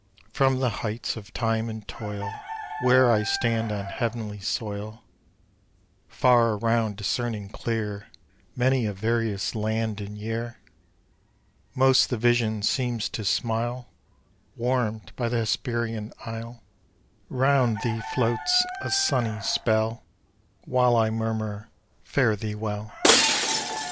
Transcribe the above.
From the heights of time and toil, Where I stand on heavenly soil, Far around, discerning clear Many a various land and year, Most the vision seems to smile Warmed by the Hesperian isle; Round thee floats a sunny spell, While I murmur, fare thee well.